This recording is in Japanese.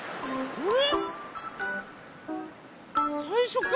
あれ？